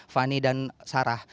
fani dan sarah